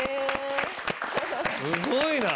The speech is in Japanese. すごいな。